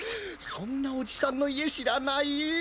そんなおじさんのいえしらない？